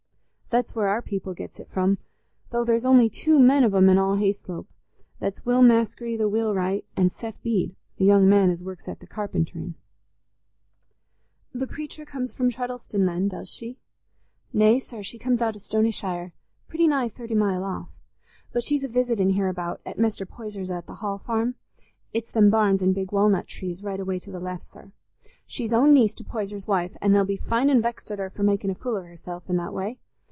That's where our people gets it from, though there's only two men of 'em in all Hayslope: that's Will Maskery, the wheelwright, and Seth Bede, a young man as works at the carpenterin'." "The preacher comes from Treddleston, then, does she?" "Nay, sir, she comes out o' Stonyshire, pretty nigh thirty mile off. But she's a visitin' hereabout at Mester Poyser's at the Hall Farm—it's them barns an' big walnut trees, right away to the left, sir. She's own niece to Poyser's wife, an' they'll be fine an' vexed at her for making a fool of herself i' that way.